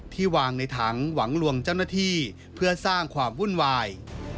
วางในถังหวังลวงเจ้าหน้าที่เพื่อสร้างความวุ่นวาย